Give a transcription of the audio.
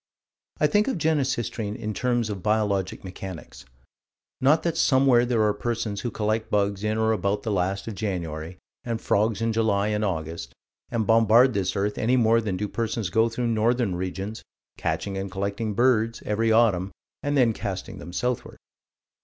I think of Genesistrine in terms of biologic mechanics: not that somewhere there are persons who collect bugs in or about the last of January and frogs in July and August, and bombard this earth, any more than do persons go through northern regions, catching and collecting birds, every autumn, then casting them southward.